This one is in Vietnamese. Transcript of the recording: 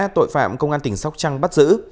tội phạm công an tỉnh sóc trăng bắt giữ